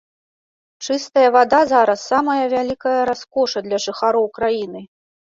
Чыстая вада зараз самае вялікае раскоша для жыхароў краіны.